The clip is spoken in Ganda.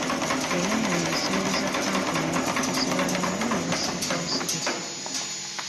Yayonoona ensimbi za kampuni ne bakozi banne ne basirika busirisi.